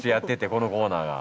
このコーナーが。